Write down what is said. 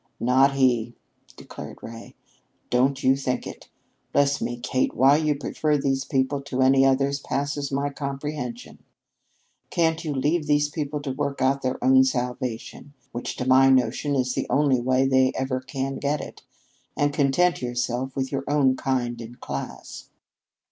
"Not he," declared Ray. "Don't you think it! Bless me, Kate, why you prefer these people to any others passes my comprehension. Can't you leave these people to work out their own salvation which to my notion is the only way they ever can get it and content yourself with your own kind and class?"